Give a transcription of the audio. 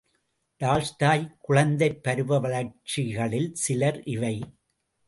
Tolstoy குழந்தைப் பருவ வளர்ச்சிகளில் சில இவை.